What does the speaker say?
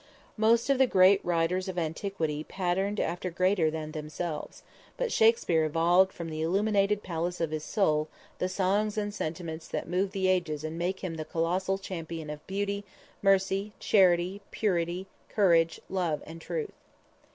Most of the great writers of antiquity patterned after greater than themselves, but Shakspere evolved from the illuminated palace of his soul the songs and sentiments that move the ages and make him the colossal champion of beauty, mercy, charity, purity, courage, love and truth.